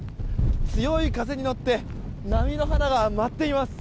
強い風に乗って波の花が舞っています。